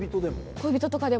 恋人とかでも。